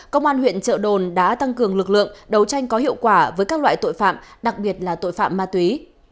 công an huyện trợ đồn đã tăng cường lực lượng đấu tranh có hiệu quả với các loại tội phạm đặc biệt là tội phạm ma túy